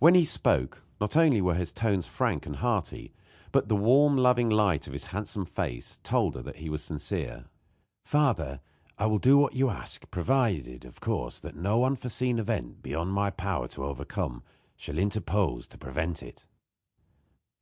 When he spoke, not only were his tones frank and hearty, but the warm, loving light in his handsome face told her that he was sincere. "Father, I will do what you ask, provided, of course, that no unforeseen event beyond my power to overcome shall interpose to prevent it."